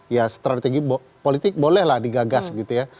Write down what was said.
ya strategi politik bolehlah digagas gitu ya